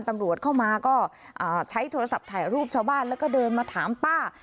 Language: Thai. ตำรวจเข้ามาก็ใช้โทรศัพท์ถ่ายรูปชาวบ้านแล้วก็เดินมาถามป้า